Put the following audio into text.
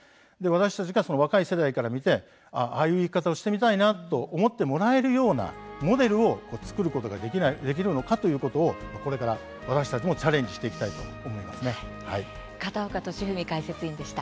私たちが、若い世代から見てああいう生き方をしてみたいなと思ってもらえるようなモデルを作ることができるのかということを私たちがチャレンジしていきたい片岡利文解説委員でした。